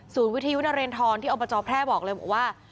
ศูนย์วิทยุนเรนทรที่เอาประจอแพร่บอกเลยว่า